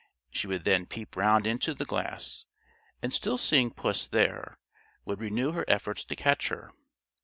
She would then peep round into the glass, and still seeing puss there, would renew her efforts to catch her.